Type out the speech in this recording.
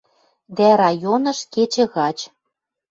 Дӓ районыш кечӹ гач